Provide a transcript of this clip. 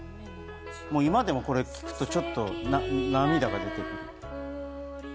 今でもこれ聴くとちょっと涙が出る。